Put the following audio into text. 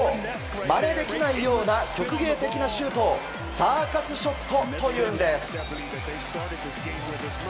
まねできないような曲芸的なシュートをサーカスショットと言うんです。